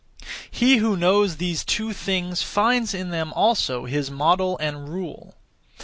He who knows these two things finds in them also his model and rule.